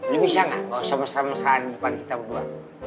lu bisa gak gak usah mesra mesrain depan kita berdua